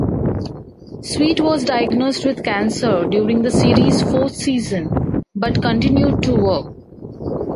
Sweet was diagnosed with cancer during the series' fourth season, but continued to work.